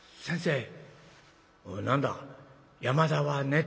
先生！」。